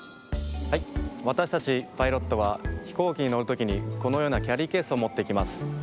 はいわたしたちパイロットはひこうきにのるときにこのようなキャリーケースをもっていきます。